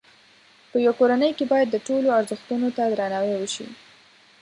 په یوه کورنۍ کې باید د ټولو ازرښتونو ته درناوی وشي.